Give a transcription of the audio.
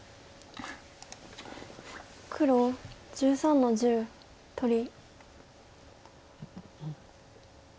黒１３の十取り。